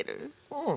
うん。